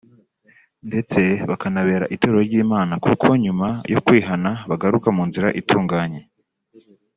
ndetse bakanabera Itorero ry’Imana kuko nyuma yo kwihana bagaruka mu nzira itunganye